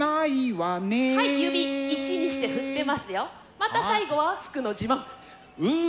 また最後は服の自慢。